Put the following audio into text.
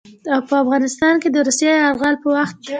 او په افغانستان د روسي يرغل په وخت